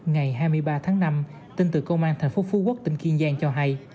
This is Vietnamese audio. ngày hai mươi ba tháng năm tin từ công an thành phố phú quốc tỉnh kiên giang cho hay